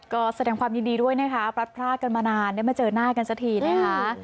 ก็แสดงความยินดีด้วยนะคะพลัดพลาดกันมานานได้มาเจอหน้ากันสักทีนะคะ